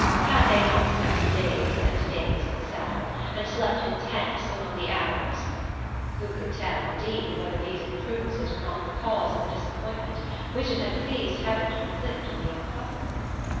Had they not spent days and days in the saddle, and slept in tents among the Arabs? (Who could tell, indeed, whether these imprudences were not the cause of the disappointment which it had pleased heaven to inflict on the young couple?)